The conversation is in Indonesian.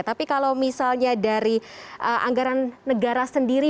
tapi kalau misalnya dari anggaran negara sendiri